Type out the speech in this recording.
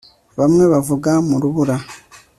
Bamwe bavuga mu rubura